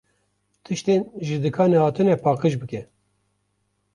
Tiştên ji dikanê hatine paqij bike.